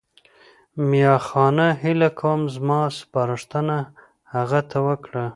میاخانه هیله کوم زما سپارښتنه هغه ته وکړه.